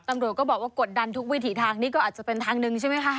ตำรวจก็บอกว่ากดดันทุกวิถีทางนี้ก็อาจจะเป็นทางหนึ่งใช่ไหมคะ